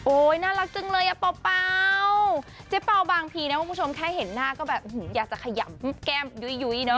น่ารักจังเลยอ่ะเปล่าเจ๊เป่าบางทีนะคุณผู้ชมแค่เห็นหน้าก็แบบอยากจะขยำแก้มยุ้ยเนอ